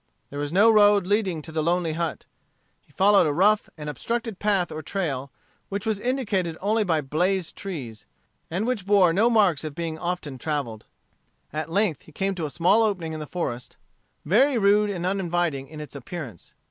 There was no road leading to the lonely hut. He followed a rough and obstructed path or trail, which was indicated only by blazed trees, and which bore no marks of being often travelled. At length he came to a small opening in the forest, very rude and uninviting in its appearance.